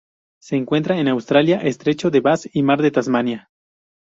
Se encuentra en Australia: Estrecho de Bass y Mar de Tasmania.